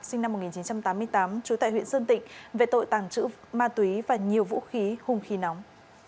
sinh năm một nghìn chín trăm tám mươi tám trú tại huyện sơn tịnh về tội tàng trữ ma túy và nhiều vũ khí hung khí nóng